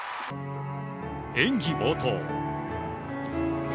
演技冒頭。